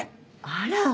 あら。